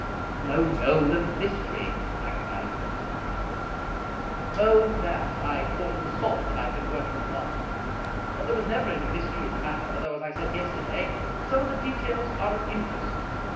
" No, no ; the mystery !" I cried. 55 Scotch Mystery Stories " Oh, that I I thought of the salt that I have been work ing upon. There was never any mystery in the matter, though, as I said yesterday, some of the details are of in terest.